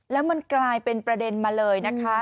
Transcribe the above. แล้วมันกลายเป็นประเด็นมาเลยนะคะ